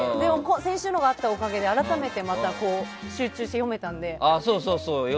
先週のがあったおかげで改めて集中して読めたので。